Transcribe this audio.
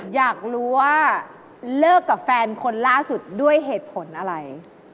อยากรู้ว่าเลิกกับแฟนคนล่าสุดด้วยเหตุผลอะไร